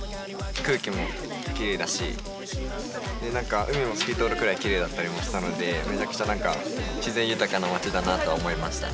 空気もきれいだし海も透き通るくらいきれいだったりもしたのでめちゃくちゃ何か自然豊かな街だなと思いました。